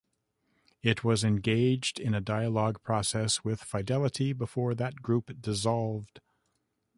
It was engaged in a dialogue process with Fidelity before that group dissolved.